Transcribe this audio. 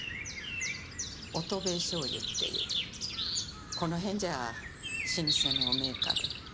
「乙部醤油」っていうこの辺じゃ老舗の名家で。